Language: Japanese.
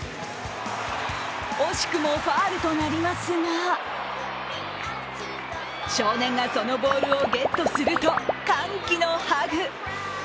惜しくもファウルとなりますが少年がそのボールをゲットすると歓喜のハグ。